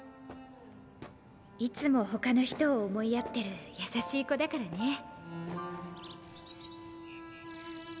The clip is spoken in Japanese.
いつも他の人を思いやってる優しい子だからね。